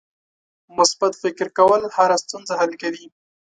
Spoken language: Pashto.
مثبت فکر کول هره ستونزه حل کوي.